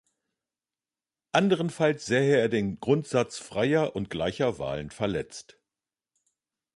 Andernfalls sehe er den Grundsatz freier und gleicher Wahlen verletzt.